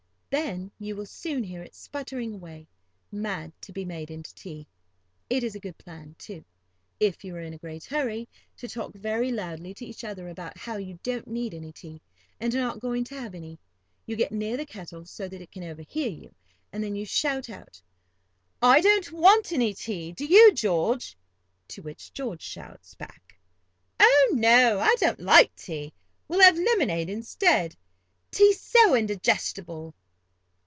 Then you will soon hear it sputtering away, mad to be made into tea. It is a good plan, too, if you are in a great hurry, to talk very loudly to each other about how you don't need any tea, and are not going to have any. You get near the kettle, so that it can overhear you, and then you shout out, "I don't want any tea; do you, George?" to which George shouts back, "Oh, no, I don't like tea; we'll have lemonade instead—tea's so indigestible."